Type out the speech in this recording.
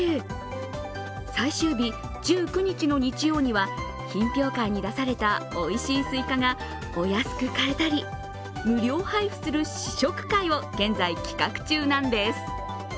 最終日１９日の日曜には品評会に出されたおいしいすいかがお安く買えたり、無料配布する試食会を現在企画中なんです。